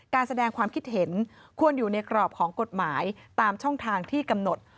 การแสดงความคิดเห็นควรอยู่ในกรอบของกฎหมายตามช่องทางที่กำหนด